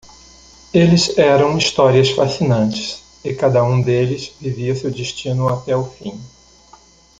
Eles eram histórias fascinantes, e cada um deles vivia seu destino até o fim.